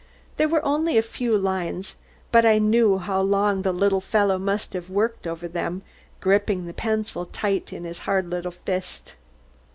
There were only a few lines, but I knew how long the little fellow must have worked over them, gripping the pencil tight in his hard little fist.